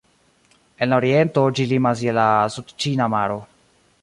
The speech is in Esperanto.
En la oriento ĝi limas je la Sudĉina maro.